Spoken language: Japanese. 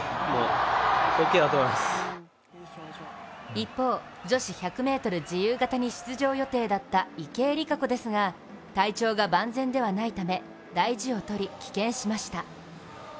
一方、女子１００ｍ自由形に出場予定だった池江璃花子ですが体調が万全ではないため大事をとり、棄権しました。